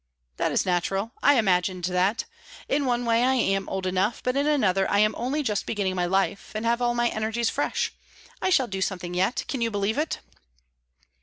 "That is natural. I imagined that. In one way I am old enough, but in another I am only just beginning my life, and have all my energies fresh. I shall do something yet; can you believe it?"